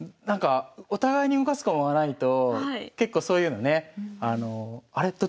お互いに動かす駒がないと結構そういうのねあれ？